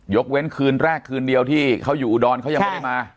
เว้นคืนแรกคืนเดียวที่เขาอยู่อุดรเขายังไม่ได้มา